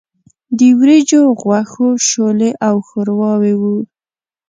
د وریجو، غوښو، شولې او ښورواوې وو.